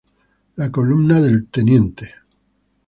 La columna del tte.